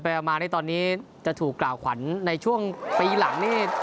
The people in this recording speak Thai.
มานี่ตอนนี้จะถูกกล่าวขวัญในช่วงปีหลังนี่